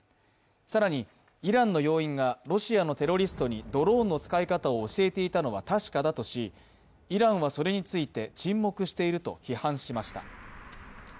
更に、イランの要員がロシアテロリストにドローンの使い方を教えていたのは確かだとし、イランは、それについて沈黙していると批判しました。